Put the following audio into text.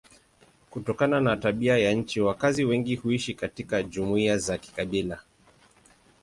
Kutokana na tabia ya nchi wakazi wengi huishi katika jumuiya za kikabila.